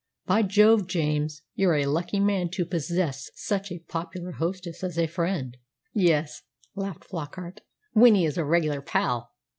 By Jove, James! you're a lucky man to possess such a popular hostess as friend." "Yes," laughed Flockart, "Winnie is a regular pal.